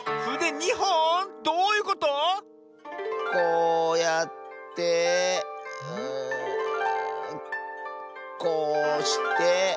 ２ほん⁉どういうこと⁉こうやってこうして。